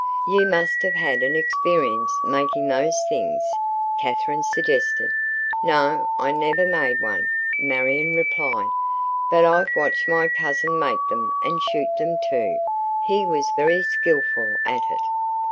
"You must have had experience making those things," Katherine suggested. "No, I never made one," Marion replied: "but I've watched my cousin make them and shoot them, too. He was very skillful at it."